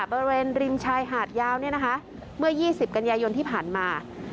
บริเวณริมชายหาดยาวเนี่ยนะคะเมื่อ๒๐กันยายนที่ผ่านมา